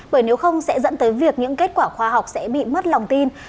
bởi nếu không sẽ dẫn tới việc những kết quả khoa học sẽ bị mất lòng tin